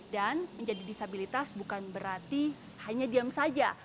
dan menjadi disabilitas bukan berarti hanya diam saja